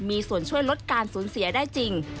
มีส่วนช่วยลดการสูญเสียได้จริง